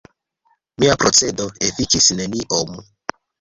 Mia procedo efikis neniom.